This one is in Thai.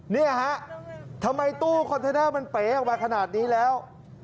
เนี่ยฮะทำไมตู้คอนเทนเดอร์มันเป๋ออกมาขนาดนี้แล้ว